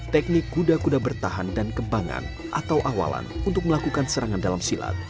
teknik kuda kuda bertahan dan kembangan atau awalan untuk melakukan serangan dalam silat